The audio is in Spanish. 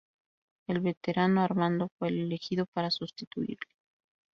El veterano Armando fue el elegido para sustituirle.